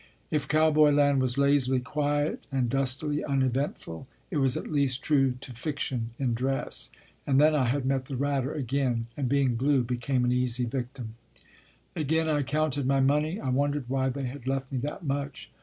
If cowboy land was lazily quiet and dustily uneventful, it was at least true to fiction in dress. And then I had met the Ratter again, and being blue, became an easy victim. Again I counted my money. I wondered why they had left me that much.